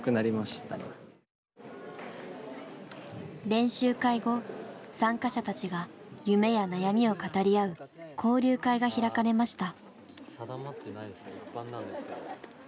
練習会後参加者たちが夢や悩みを語り合う交流会が開かれました。